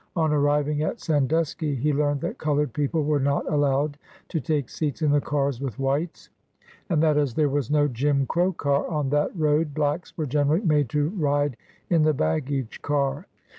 On arriving at Sandusky, he learned that colored people were not allowed to take seats in the cars with whites, and that, AN AMERICAN BONDMAN. 57 as there "was no Jim Crow car on that road, blacks were generally made to ride in the baggage car.